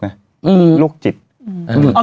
เอานะ